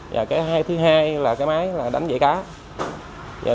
và thứ hai là máy đánh dậy cá